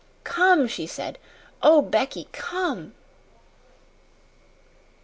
"Come," she said. "Oh, Becky, come!"